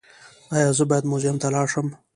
ایا زه باید موزیم ته لاړ شم؟